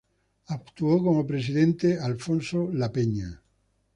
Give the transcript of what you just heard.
Actuó como presidente Alfonso Lapeña.